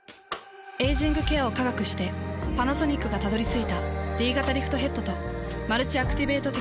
エイジングケアを科学してパナソニックがたどり着いたＤ型リフトヘッドとマルチアクティベートテクノロジー。